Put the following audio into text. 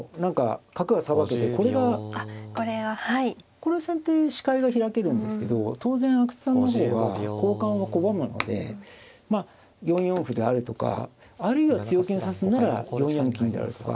これは先手視界が開けるんですけど当然阿久津さんの方が交換を拒むのでまあ４四歩であるとかあるいは強気に指すんなら４四金であるとか。